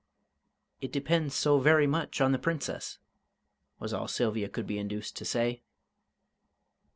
"It depends so very much on the Princess," was all Sylvia could be induced to say.